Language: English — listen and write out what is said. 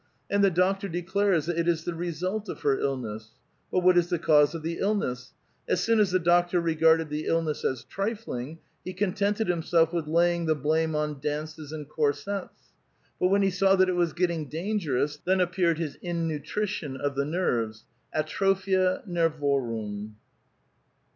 And the doctor declares that it is the result of her illness. But what is the cause of the illness? As soon as the doctor regarded the illness as trifling, he contented himself with laying the blame on dances and corsets ; but when he saw that it was getting dangerous, then appeared his " inuutri tion of the nerves, — atroplda nervorum.